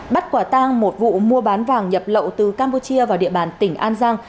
bắt quả tang một vụ mua bán vàng nhập lậu từ campuchia vào địa bàn tỉnh an giang